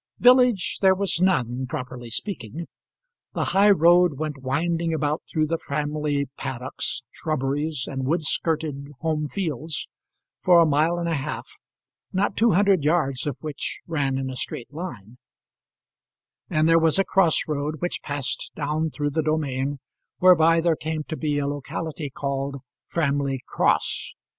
Village there was none, properly speaking. The high road went winding about through the Framley paddocks, shrubberies, and wood skirted home fields, for a mile and a half, not two hundred yards of which ran in a straight line; and there was a cross road which passed down through the domain, whereby there came to be a locality called Framley Cross.